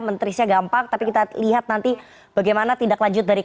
menterinya gampang tapi kita lihat nanti bagaimana tindak lanjut dari kpk